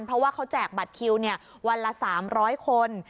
เพราะว่าเขาแจกบัตรคิววันละ๓๐๐คน